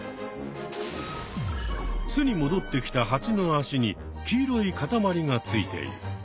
巣にもどってきたハチのあしに黄色いかたまりがついている。